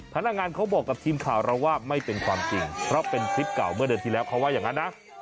พนักงานเขาบอกกับทีมข่าวเราว่าไม่เป็นความจริงเพราะเป็นคลิปเก่าเมื่อเดือนที่แล้วเขาว่าอย่างนั้นนะ